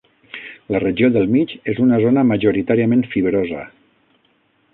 La regió del mig és una zona majoritàriament fibrosa.